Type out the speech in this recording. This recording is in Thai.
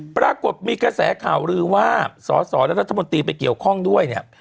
ปรากฏมีกระแสข่าวลือว่าสสและรัฐมนตรีไปเกี่ยวข้องด้วยเนี่ย